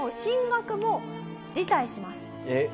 えっ！